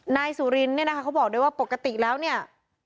นายสุรินเนี่ยนะคะเขาบอกด้วยว่าปกติแล้วเนี่ย